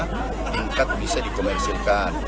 kita ingat bisa dikomersilkan